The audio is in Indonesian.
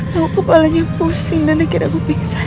kamu kepalanya pusing dan akhirnya aku pingsan